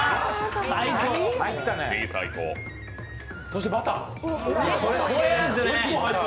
そしてバター。